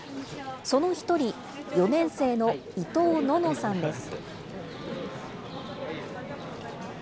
その１人、４年生の伊東希々さんです。